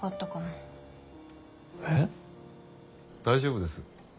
大丈夫です。